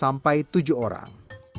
lima sampai tujuh orang